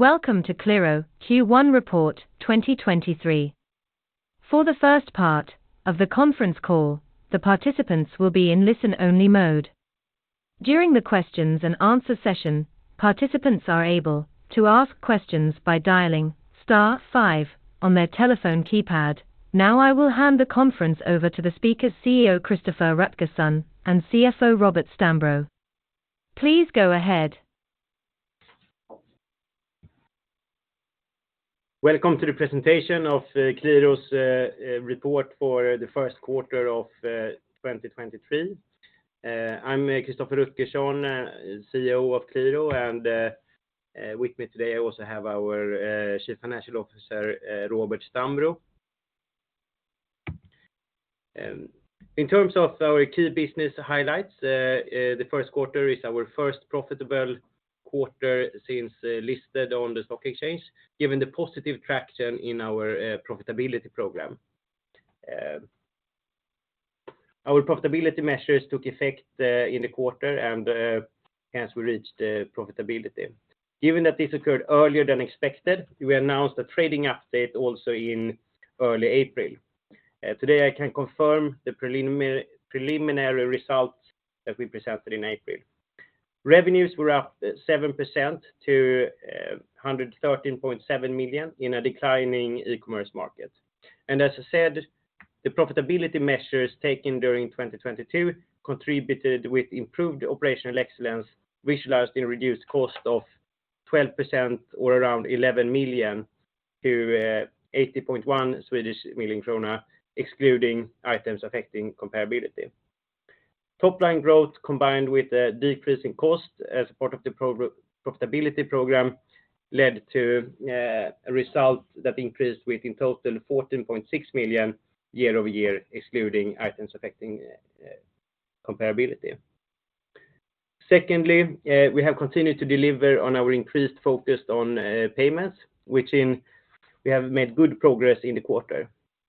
Welcome to Qliro Q1 Report 2023. For the first part of the conference call, the participants will be in listen-only mode. During the questions and answer session, participants are able to ask questions by dialing star five on their telephone keypad. I will hand the conference over to the speakers CEO, Christoffer Rutgersson, and CFO, Robert Stambro. Please go ahead. Welcome to the presentation of Qliro's report for the first quarter of 2023. I'm Christoffer Rutgersson, CEO of Qliro, and with me today I also have our Chief Financial Officer, Robert Stambro. In terms of our key business highlights, the first quarter is our first profitable quarter since listed on the stock exchange, given the positive traction in our profitability program. Our profitability measures took effect in the quarter and hence we reached profitability. Given that this occurred earlier than expected, we announced a trading update also in early April. Today I can confirm the preliminary results that we presented in April. Revenues were up 7% to 113.7 million in a declining e-commerce market. As I said, the profitability measures taken during 2022 contributed with improved operational excellence, visualized in reduced cost of 12% or around 11 million to 80.1 million krona, excluding Items Affecting Comparability. Top line growth, combined with a decrease in cost as part of the pro-profitability program led to a result that increased with in total 14.6 million year-over-year, excluding Items Affecting Comparability. Secondly, we have continued to deliver on our increased focus on payments, which in we have made good progress in the quarter.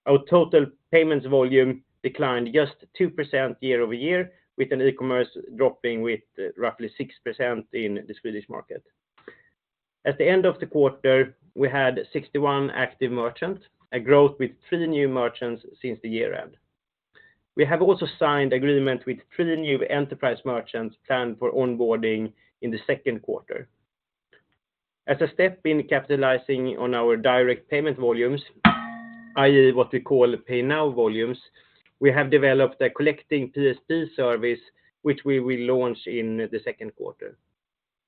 Our total payments volume declined just 2% year-over-year, with an e-commerce dropping with roughly 6% in the Swedish market. At the end of the quarter, we had 61 active merchants, a growth with 3 new merchants since the year end. We have also signed agreement with three new enterprise merchants planned for onboarding in the second quarter. As a step in capitalizing on our direct payment volumes, i.e. what we call Pay Now volumes, we have developed a Collecting PSP service, which we will launch in the second quarter.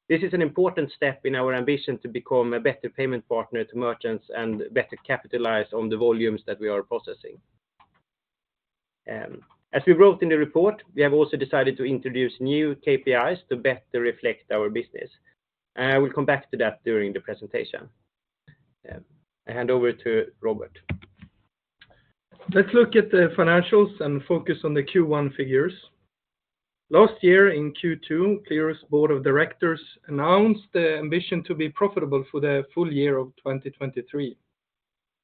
This is an important step in our ambition to become a better payment partner to merchants and better capitalize on the volumes that we are processing. As we wrote in the report, we have also decided to introduce new KPIs to better reflect our business. I will come back to that during the presentation. I hand over to Robert. Let's look at the financials and focus on the Q1 figures. Last year in Q2, Qliro's board of directors announced the ambition to be profitable for the full year of 2023.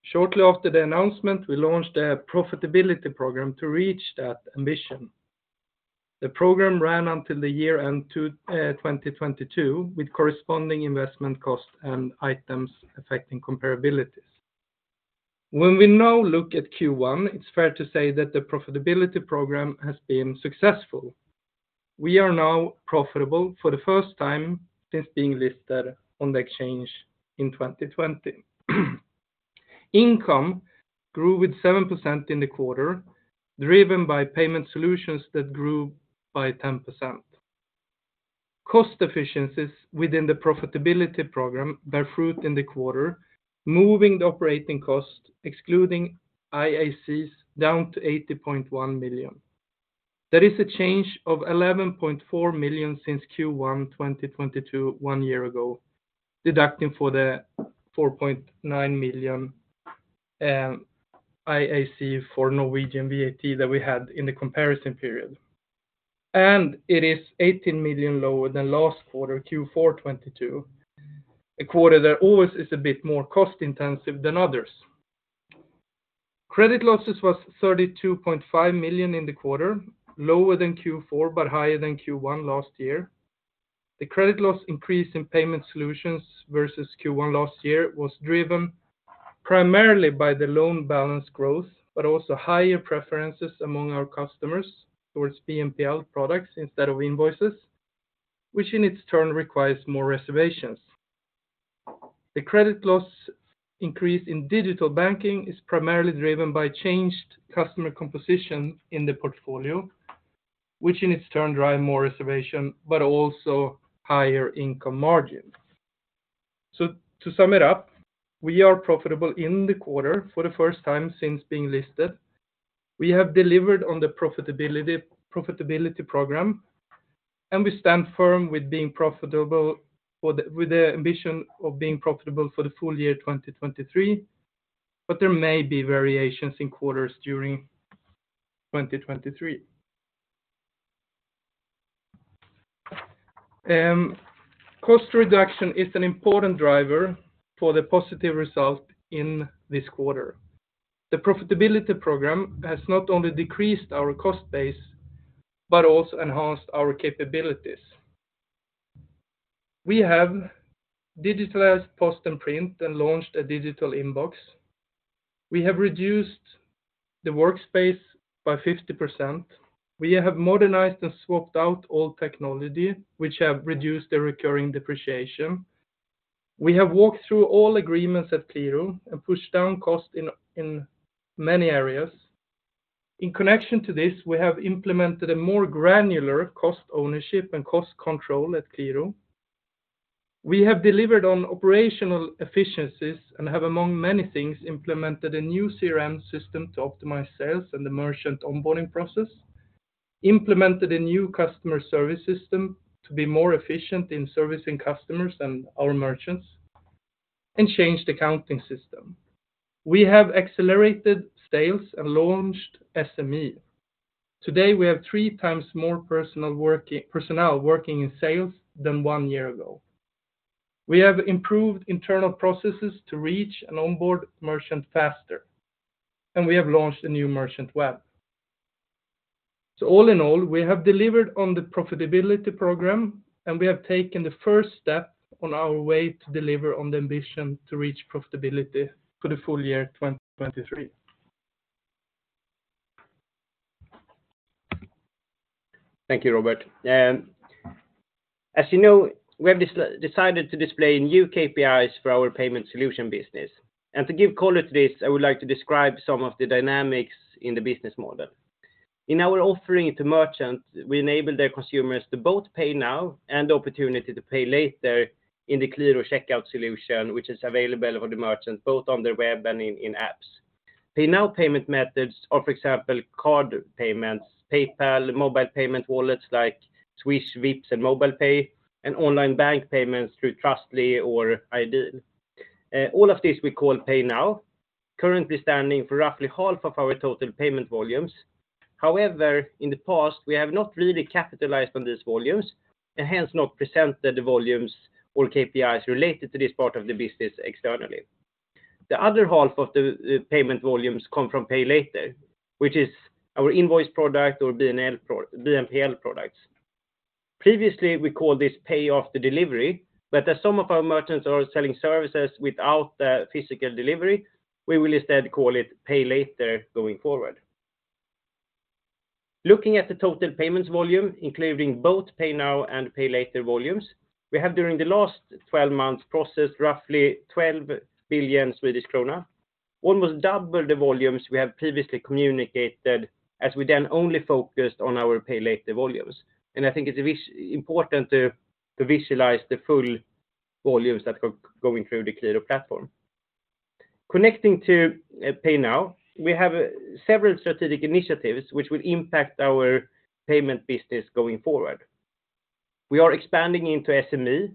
Shortly after the announcement, we launched a profitability program to reach that ambition. The program ran until the year end 2022, with corresponding investment costs and Items Affecting Comparabilities. When we now look at Q1, it's fair to say that the profitability program has been successful. We are now profitable for the first time since being listed on the exchange in 2020. Income grew with 7% in the quarter, driven by payment solutions that grew by 10%. Cost efficiencies within the profitability program bear fruit in the quarter, moving the operating cost, excluding IACs, down to 80.1 million. That is a change of 11.4 million since Q1 2022, one year ago, deducting for the 4.9 million IAC for Norwegian VAT that we had in the comparison period. It is 18 million lower than last quarter, Q4 2022, a quarter that always is a bit more cost-intensive than others. Credit losses was 32.5 million in the quarter, lower than Q4 but higher than Q1 last year. The credit loss increase in payment solutions versus Q1 last year was driven primarily by the loan balance growth, but also higher preferences among our customers towards BNPL products instead of invoices, which in its turn requires more reservations. The credit loss increase in digital banking is primarily driven by changed customer composition in the portfolio, which in its turn drive more reservation but also higher income margins. To sum it up, we are profitable in the quarter for the first time since being listed. We have delivered on the profitability program and we stand firm with the ambition of being profitable for the full year 2023, but there may be variations in quarters during 2023. Cost reduction is an important driver for the positive result in this quarter. The profitability program has not only decreased our cost base but also enhance our capabilities. We have digitalized post and print and launched a digital inbox. We have reduced the workspace by 50%. We have modernized and swapped out all technology, which have reduced the recurring depreciation. We have walked through all agreements at Qliro and pushed down costs in many areas. In connection to this, we have implemented a more granular cost ownership and cost control at Qliro. We have delivered on operational efficiencies and have, among many things, implemented a new CRM system to optimize sales and the merchant onboarding process, implemented a new customer service system to be more efficient in servicing customers and our merchants, and changed the accounting system. We have accelerated sales and launched SME. Today, we have 3 times more personnel working in sales than 1 year ago. We have improved internal processes to reach an onboard merchant faster, we have launched a new merchant web. All in all, we have delivered on the profitability program, and we have taken the first step on our way to deliver on the ambition to reach profitability for the full year 2023. Thank you, Robert. As you know, we have decided to display new KPIs for our payment solution business. To give color to this, I would like to describe some of the dynamics in the business model. In our offering to merchants, we enable their consumers to both Pay Now and the opportunity to Pay Later in the Qliro checkout solution, which is available for the merchants, both on their web and in apps. Pay Now payment methods are, for example, card payments, PayPal, mobile payment wallets like Swish, Vipps, and MobilePay, and online bank payments through Trustly or iDEAL. All of this we call Pay Now, currently standing for roughly half of our total payment volumes. However, in the past, we have not really capitalized on these volumes and hence not presented the volumes or KPIs related to this part of the business externally. The other half of the payment volumes come from Pay Later, which is our invoice product or BNPL products. Previously, we called this Pay After Delivery, but as some of our merchants are selling services without the physical delivery, we will instead call it Pay Later going forward. Looking at the total payments volume, including both Pay Now and Pay Later volumes, we have during the last 12 months processed roughly 12 billion Swedish krona, almost double the volumes we have previously communicated as we then only focused on our Pay Later volumes. I think it is important to visualize the full volumes that go through the Qliro platform. Connecting to Pay Now, we have several strategic initiatives which will impact our payment business going forward. We are expanding into SME,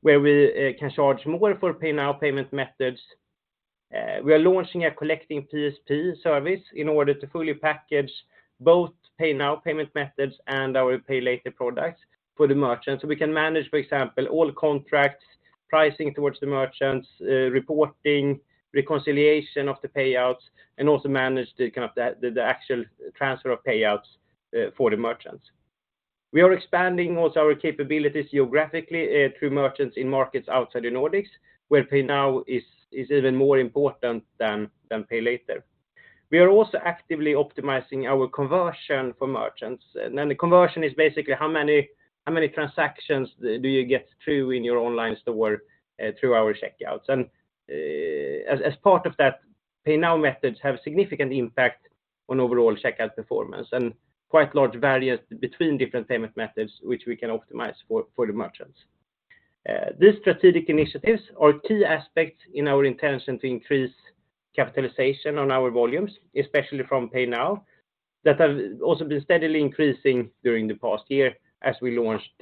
where we can charge more for Pay Now payment methods. We are launching a Collecting PSP service in order to fully package both Pay Now payment methods and our Pay Later products for the merchants. We can manage, for example, all contracts, pricing towards the merchants, reporting, reconciliation of the payouts, and also manage the actual transfer of payouts for the merchants. We are expanding also our capabilities geographically through merchants in markets outside the Nordics, where Pay Now is even more important than Pay Later. We are also actively optimizing our conversion for merchants. The conversion is basically how many transactions do you get through in your online store through our checkouts. As part of that, Pay Now methods have significant impact on overall checkout performance and quite large variance between different payment methods, which we can optimize for the merchants. These strategic initiatives are key aspects in our intention to increase capitalization on our volumes, especially from Pay Now, that have also been steadily increasing during the past year as we launched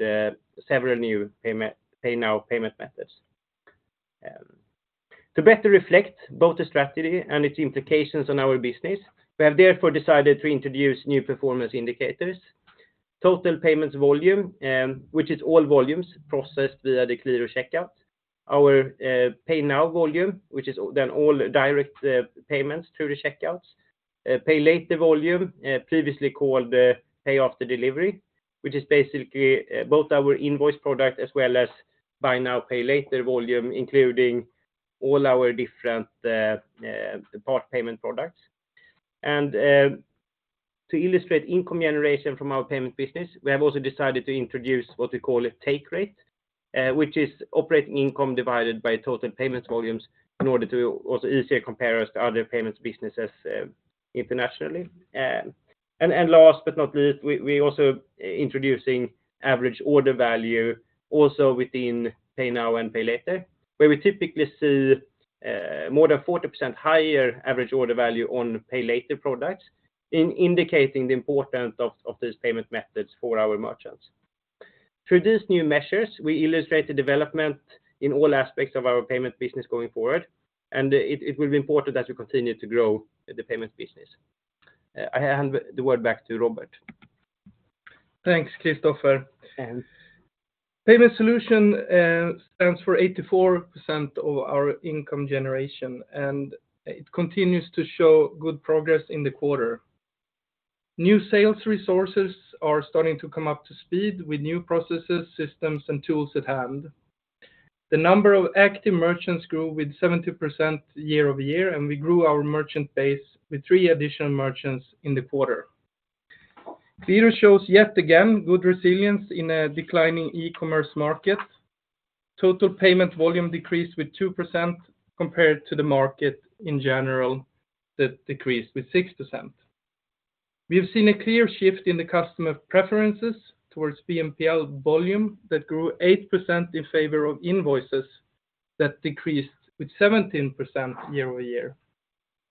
several new Pay Now payment methods. To better reflect both the strategy and its implications on our business, we have therefore decided to introduce new performance indicators. Total payments volume, which is all volumes processed via the Qliro checkout. Our Pay Now volume, which is then all direct payments through the checkouts. Pay Later volume, previously called Pay After Delivery, which is basically both our invoice product as well as Buy Now, Pay Later volume, including all our different part payment products. To illustrate income generation from our payment business, we have also decided to introduce what we call a take rate, which is operating income divided by total payment volumes in order to also easier compare us to other payments businesses internationally. Last but not least, we also introducing average order value also within Pay Now and Pay Later, where we typically see more than 40% higher average order value on Pay Later products indicating the importance of these payment methods for our merchants. Through these new measures, we illustrate the development in all aspects of our payment business going forward. It will be important that we continue to grow the payment business. I hand the word back to Robert. Thanks, Christoffer. Yes Payment solution stands for 84% of our income generation. It continues to show good progress in the quarter. New sales resources are starting to come up to speed with new processes, systems, and tools at hand. The number of active merchants grew with 70% year-over-year. We grew our merchant base with 3 additional merchants in the quarter. Qliro shows yet again good resilience in a declining e-commerce market. Total payment volume decreased with 2% compared to the market in general that decreased with 6%. We have seen a clear shift in the customer preferences towards BNPL volume that grew 8% in favor of invoices that decreased with 17% year-over-year.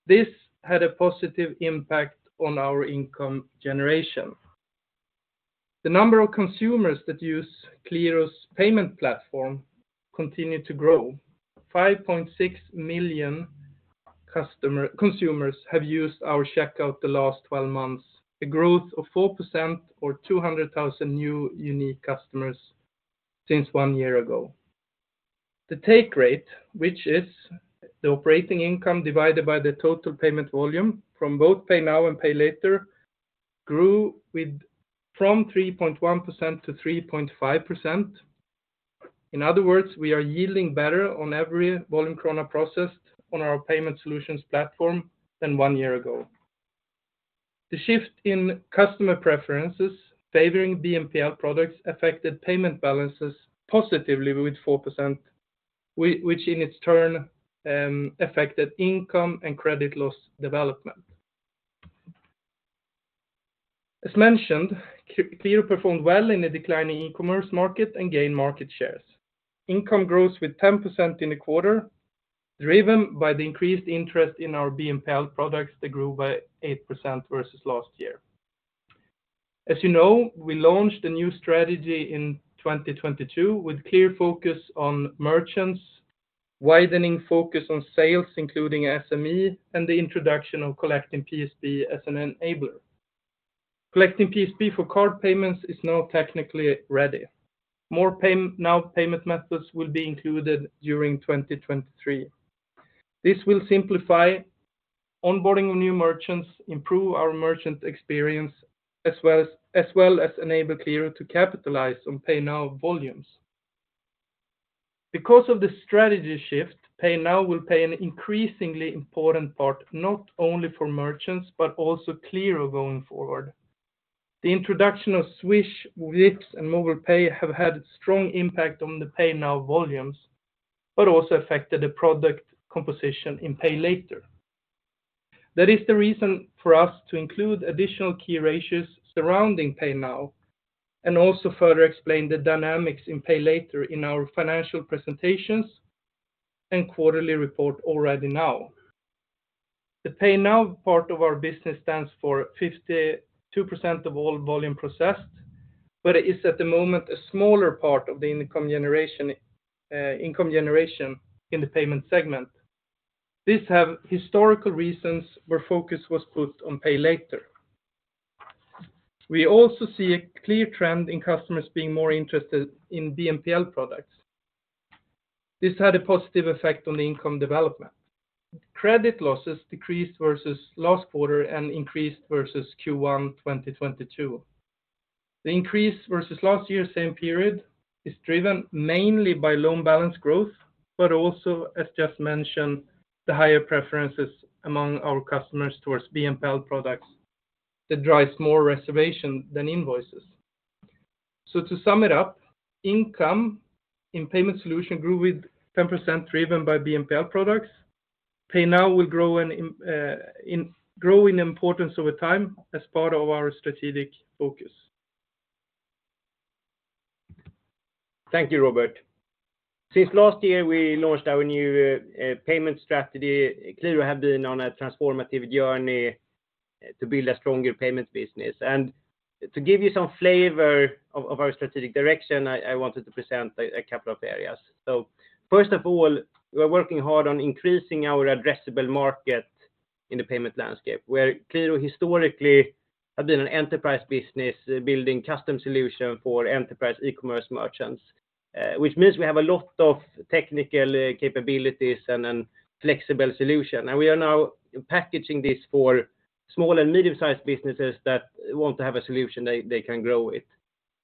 This had a positive impact on our income generation. The number of consumers that use Qliro's payment platform continued to grow. 5.6 million consumers have used our checkout the last 12 months, a growth of 4% or 200,000 new unique customers since 1 year ago. The take rate, which is the operating income divided by the total payment volume from both Pay Now and Pay Later, grew from 3.1% to 3.5%. In other words, we are yielding better on every volume SEK processed on our payment solutions platform than 1 year ago. The shift in customer preferences favoring BNPL products affected payment balances positively with 4%, which in its turn affected income and credit loss development. As mentioned, Qliro performed well in a declining e-commerce market and gained market shares. Income grows with 10% in the quarter, driven by the increased interest in our BNPL products that grew by 8% versus last year. As you know, we launched a new strategy in 2022 with clear focus on merchants, widening focus on sales, including SME, and the introduction of Collecting PSP as an enabler. Collecting PSP for card payments is now technically ready. More Pay Now payment methods will be included during 2023. This will simplify onboarding of new merchants, improve our merchant experience, as well as enable Qliro to capitalize on Pay Now volumes. Because of the strategy shift, Pay Now will play an increasingly important part, not only for merchants but also Qliro going forward. The introduction of Swish, Vipps and MobilePay have had strong impact on the Pay Now volumes, but also affected the product composition in Pay Later. That is the reason for us to include additional key ratios surrounding Pay Now and also further explain the dynamics in Pay Later in our financial presentations and quarterly report already now. The Pay Now part of our business stands for 52% of all volume processed, but it is at the moment a smaller part of the income generation in the payment segment. This have historical reasons where focus was put on Pay Later. We also see a clear trend in customers being more interested in BNPL products. This had a positive effect on the income development. Credit losses decreased versus last quarter and increased versus Q1 2022. The increase versus last year same period is driven mainly by loan balance growth, but also as just mentioned, the higher preferences among our customers towards BNPL products that drives more reservation than invoices. To sum it up, income in payment solution grew with 10% driven by BNPL products. Pay Now will grow in importance over time as part of our strategic focus. Thank you, Robert. Since last year, we launched our new payment strategy, Qliro have been on a transformative journey to build a stronger payment business. To give you some flavor of our strategic direction, I wanted to present a couple of areas. First of all, we are working hard on increasing our addressable market in the payment landscape, where Qliro historically have been an enterprise business building custom solution for enterprise e-commerce merchants, which means we have a lot of technical capabilities and then flexible solution. We are now packaging this for small and medium-sized businesses that want to have a solution they can grow with.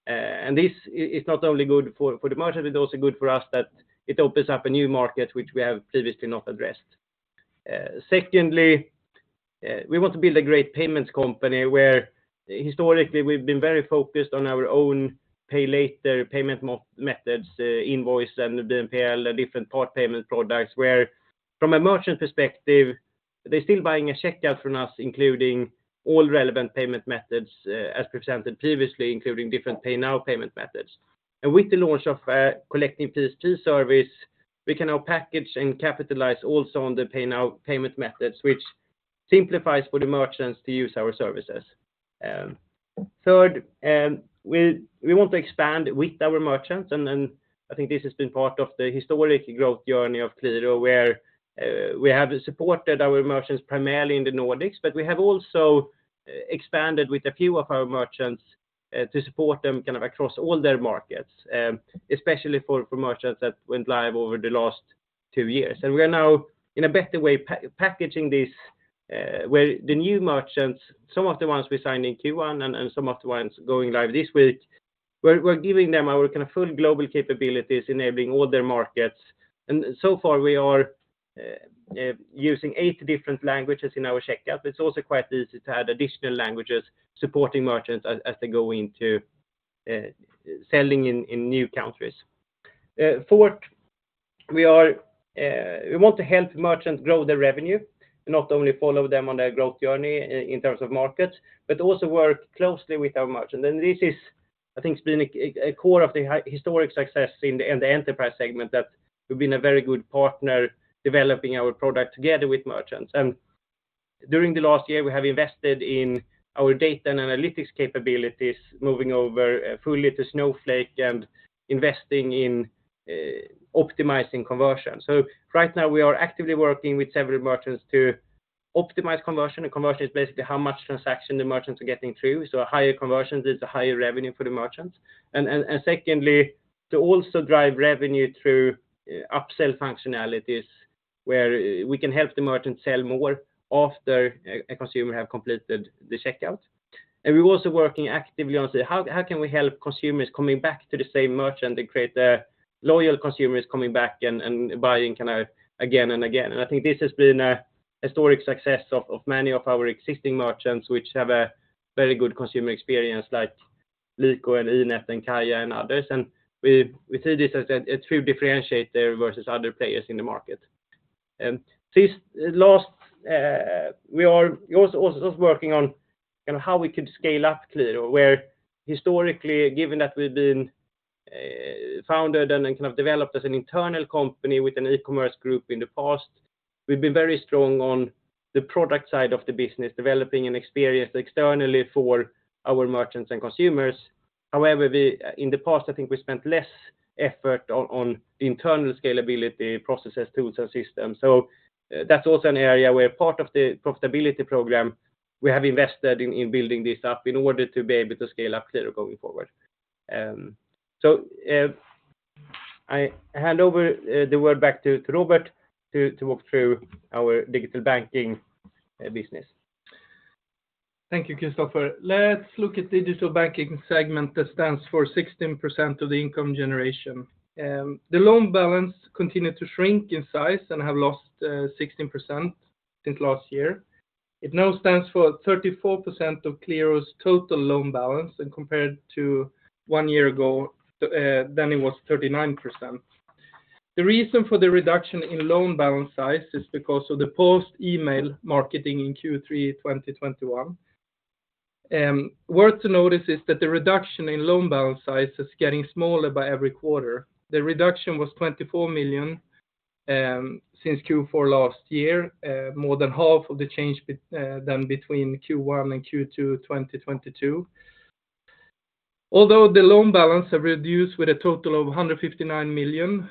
This is not only good for the merchant, it's also good for us that it opens up a new market which we have previously not addressed. Secondly, we want to build a great payments company where historically we've been very focused on our own Pay Later payment methods, invoice and BNPL, different part payment products, where from a merchant perspective, they're still buying a checkout from us, including all relevant payment methods, as presented previously, including different Pay Now payment methods. With the launch of Collecting PSP service, we can now package and capitalize also on the Pay Now payment methods, which simplifies for the merchants to use our services. Third, we want to expand with our merchants, and then I think this has been part of the historic growth journey of Qliro, where we have supported our merchants primarily in the Nordics, but we have also expanded with a few of our merchants, to support them kind of across all their markets, especially for merchants that went live over the last 2 years. We are now in a better way packaging this, where the new merchants, some of the ones we signed in Q1 and some of the ones going live this week, we're giving them our kind of full global capabilities enabling all their markets. So far we are using 8 different languages in our checkout. It's also quite easy to add additional languages supporting merchants as they go into selling in new countries. Fourth, we want to help merchants grow their revenue, not only follow them on their growth journey in terms of markets, but also work closely with our merchants. This is, I think it's been a core of the historic success in the enterprise segment that we've been a very good partner developing our product together with merchants. During the last year, we have invested in our data and analytics capabilities, moving over fully to Snowflake and investing in optimizing conversion. Right now we are actively working with several merchants to optimize conversion. Conversion is basically how much transaction the merchants are getting through. Higher conversions is a higher revenue for the merchants. Secondly, to also drive revenue through upsell functionalities where we can help the merchant sell more after a consumer have completed the checkout. We're also working actively on say, how can we help consumers coming back to the same merchant and create loyal consumers coming back and buying kind of again and again? I think this has been a historic success of many of our existing merchants, which have a very good consumer experience like Lyko and Inet and CAIA and others. We see this as a true differentiator versus other players in the market. This last, we are also working on kind of how we could scale up Qliro, where historically, given that we've been founded and then kind of developed as an internal company with an e-commerce group in the past, we've been very strong on the product side of the business, developing an experience externally for our merchants and consumers. We in the past, I think we spent less effort on internal scalability processes, tools, and systems. That's also an area where part of the profitability program we have invested in building this up in order to be able to scale up Qliro going forward. I hand over the word back to Robert to walk through our digital banking business. Thank you, Christoffer. Let's look at digital banking segment that stands for 16% of the income generation. The loan balance continued to shrink in size and have lost 16% since last year. It now stands for 34% of Qliro's total loan balance and compared to one year ago, then it was 39%. The reason for the reduction in loan balance size is because of the post-email marketing in Q3, 2021. Worth to notice is that the reduction in loan balance size is getting smaller by every quarter. The reduction was 24 million since Q4 last year, more than half of the change than between Q1 and Q2, 2022. Although the loan balance have reduced with a total of 159 million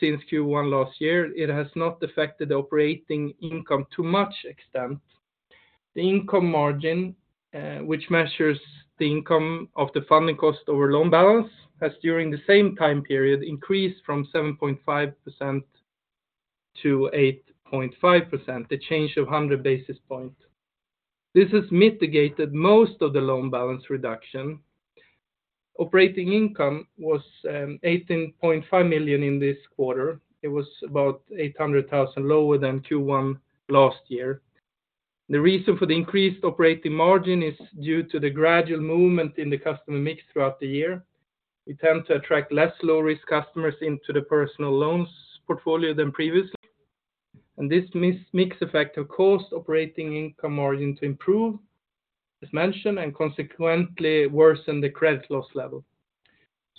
since Q1 last year, it has not affected operating income to much extent. The income margin, which measures the income of the funding cost over loan balance, has during the same time period increased from 7.5% to 8.5%, the change of 100 basis points. This has mitigated most of the loan balance reduction. Operating income was 18.5 million in this quarter. It was about 800,000 lower than Q1 last year. The reason for the increased operating margin is due to the gradual movement in the customer mix throughout the year. We tend to attract less low-risk customers into the personal loans portfolio than previously. This mix effect have caused operating income margin to improve, as mentioned, and consequently worsen the credit loss level.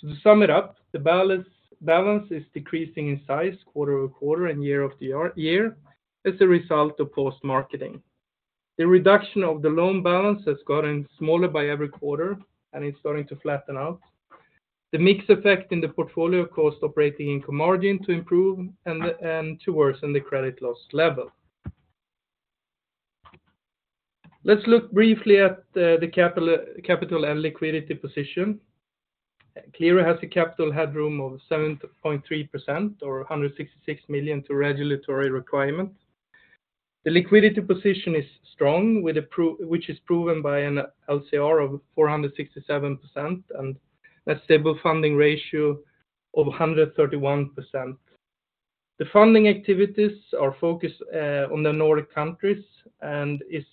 To sum it up, the balance is decreasing in size quarter-over-quarter and year-over-year as a result of post-marketing. The reduction of the loan balance has gotten smaller by every quarter, and it's starting to flatten out. The mix effect in the portfolio caused operating income margin to improve and to worsen the credit loss level. Let's look briefly at the capital and liquidity position. Qliro has a capital headroom of 7.3% or 166 million to regulatory requirement. The liquidity position is strong, which is proven by an LCR of 467% and a stable funding ratio of 131%. The funding activities are focused on the Nordic countries and is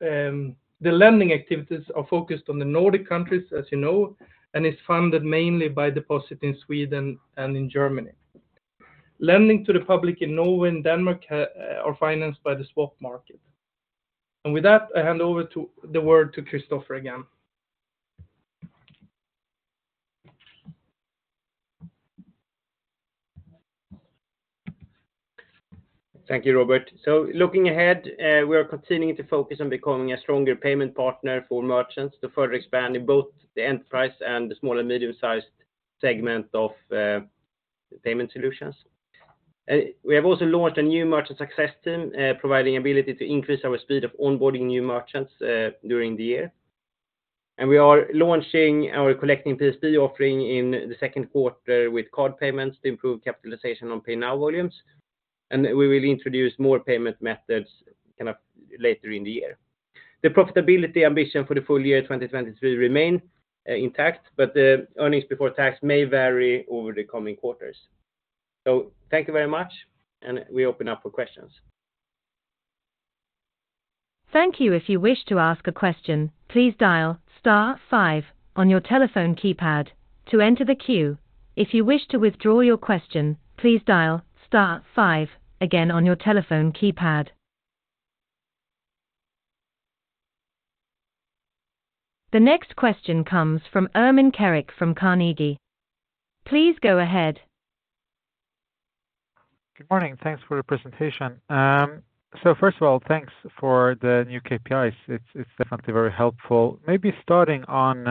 the lending activities are focused on the Nordic countries, as you know, and is funded mainly by deposit in Sweden and in Germany. Lending to the public in Norway and Denmark are financed by the swap market. With that, I hand over the word to Christopher again. Thank you, Robert. Looking ahead, we are continuing to focus on becoming a stronger payment partner for merchants to further expand in both the enterprise and the small and medium-sized segment of payment solutions. We have also launched a new merchant success team, providing ability to increase our speed of onboarding new merchants during the year. We are launching our Collecting PSP offering in the second quarter with card payments to improve capitalization on Pay Now volumes. We will introduce more payment methods kind of later in the year. The profitability ambition for the full year 2023 remain intact, but the earnings before tax may vary over the coming quarters. Thank you very much, and we open up for questions. Thank you. If you wish to ask a question, please dial star 5 on your telephone keypad to enter the queue. If you wish to withdraw your question, please dial star 5 again on your telephone keypad. The next question comes from Ermin Keric from Carnegie. Please go ahead. Good morning. Thanks for the presentation. First of all, thanks for the new KPIs. It's definitely very helpful. Maybe starting on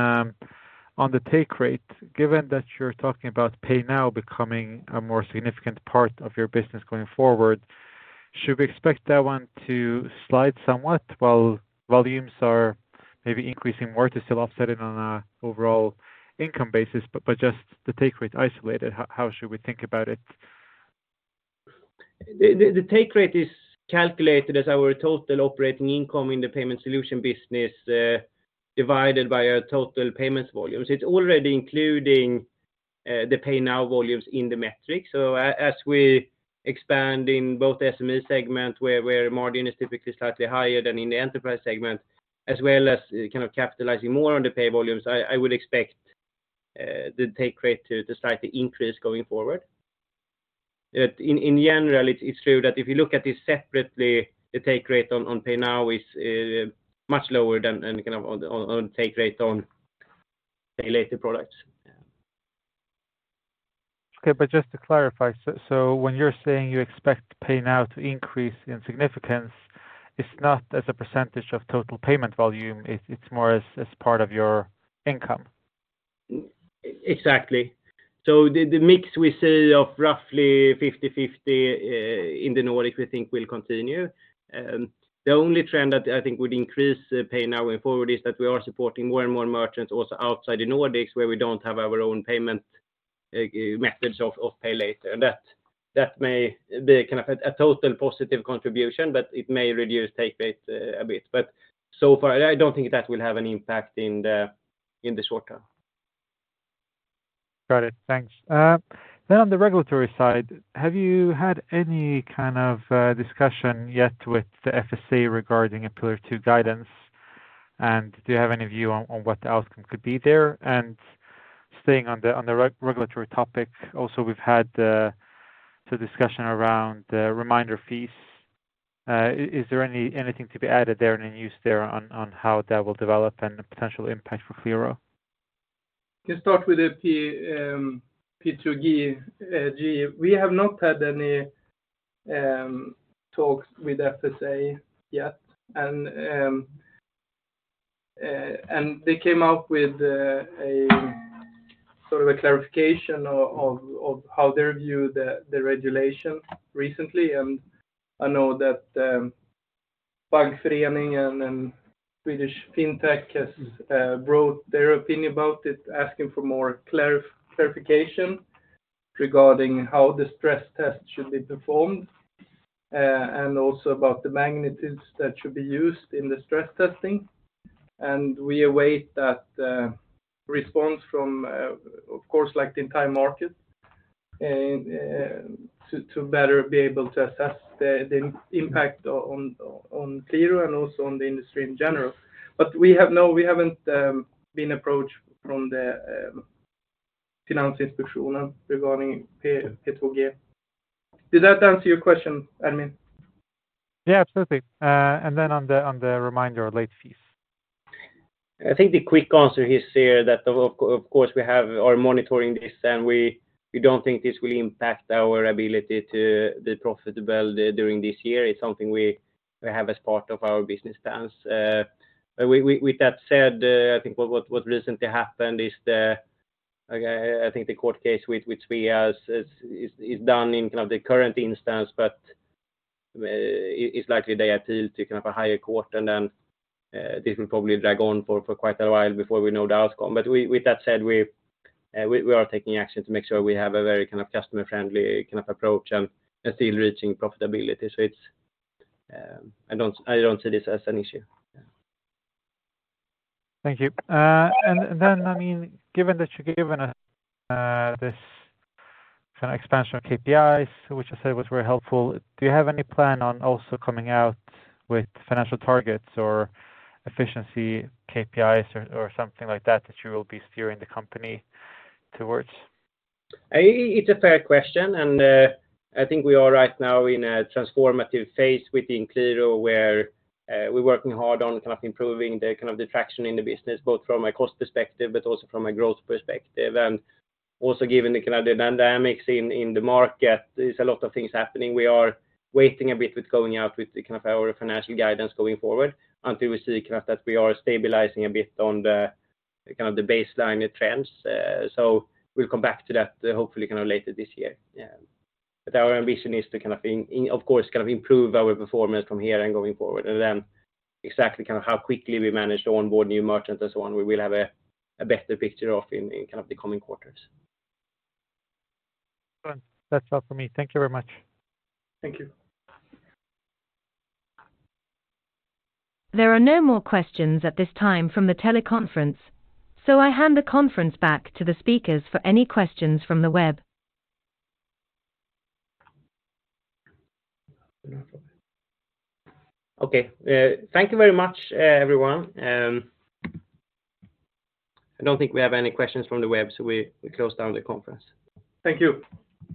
the take rate, given that you're talking about Pay Now becoming a more significant part of your business going forward, should we expect that one to slide somewhat while volumes are maybe increasing more to still offset it on an overall income basis, but just the take rate isolated, how should we think about it? The take rate is calculated as our total operating income in the payment solution business, divided by our total payments volumes. It's already including the Pay Now volumes in the metric. As we expand in both SME segment where margin is typically slightly higher than in the enterprise segment, as well as kind of capitalizing more on the pay volumes, I would expect the take rate to slightly increase going forward. In general, it's true that if you look at this separately, the take rate on Pay Now is much lower than kind of on take rate on Pay Later products. Yeah. Just to clarify. When you're saying you expect Pay Now to increase in significance, it's not as a percentage of total payment volume. It's more as part of your income. Exactly. The, the mix we say of roughly 50/50, in the Nordic, we think will continue. The only trend that I think would increase Pay Now going forward is that we are supporting more and more merchants also outside the Nordics, where we don't have our own payment, methods of Pay Later. That may be kind of a total positive contribution, but it may reduce take rate a bit. So far, I don't think that will have any impact in the, in the short term. Got it. Thanks. On the regulatory side, have you had any kind of discussion yet with the FSA regarding a Pillar 2 guidance? Do you have any view on what the outcome could be there? Staying on the regulatory topic, also, we've had the discussion around reminder fees. Is there anything to be added there, any news there on how that will develop and the potential impact for Qliro? To start with the P2G. We have not had any talks with FSA yet. They came out with a sort of a clarification of how they view the regulation recently. I know that Bankföreningen and Swedish Fintech has wrote their opinion about it, asking for more clarification regarding how the stress test should be performed and also about the magnitudes that should be used in the stress testing. We await that response from, of course, like the entire market to better be able to assess the impact on Qliro and also on the industry in general. No, we haven't been approached from the Finansinspektionen regarding P2G. Did that answer your question, Ermin? Yeah, absolutely. Then on the, on the reminder or late fees. I think the quick answer is here that of course, we are monitoring this. We don't think this will impact our ability to be profitable during this year. It's something we have as part of our business plans. With that said, I think what recently happened is, I think the court case with Svea is done in kind of the current instance. It's likely they appeal to kind of a higher court. This will probably drag on for quite a while before we know the outcome. With that said, we are taking action to make sure we have a very kind of customer-friendly kind of approach and still reaching profitability. It's, I don't see this as an issue. Yeah. Thank you. Then, I mean, given that you've given us, this kind of expansion of KPIs, which I said was very helpful, do you have any plan on also coming out with financial targets or efficiency KPIs or something like that you will be steering the company towards? It's a fair question, and I think we are right now in a transformative phase within Qliro where we're working hard on kind of improving the kind of the traction in the business, both from a cost perspective but also from a growth perspective. Also given the kind of the dynamics in the market, there's a lot of things happening. We are waiting a bit with going out with kind of our financial guidance going forward until we see kind of that we are stabilizing a bit on the kind of the baseline trends. We'll come back to that hopefully kind of later this year. Our ambition is to of course, kind of improve our performance from here and going forward. Exactly kind of how quickly we manage to onboard new merchants and so on, we will have a better picture of in kind of the coming quarters. That's all for me. Thank you very much. Thank you. There are no more questions at this time from the teleconference. I hand the conference back to the speakers for any questions from the web. Okay. Thank you very much, everyone. I don't think we have any questions from the web. We close down the conference. Thank you.